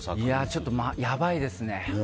ちょっとやばいですね。